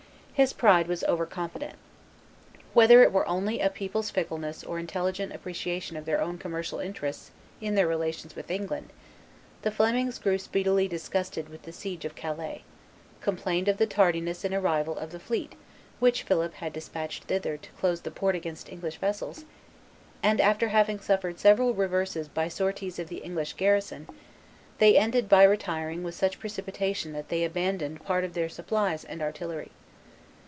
His pride was over confident. Whether it were only a people's fickleness or intelligent appreciation of their own commercial interests in their relations with England, the Flemings grew speedily disgusted with the siege of Calais, complained of the tardiness in arrival of the fleet which Philip had despatched thither to close the port against English vessels, and, after having suffered several reverses by sorties of the English garrison, they ended by retiring with such precipitation that they abandoned part of their supplies and artillery.